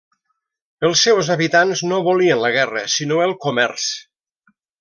Els seus habitants no volien la guerra sinó el comerç.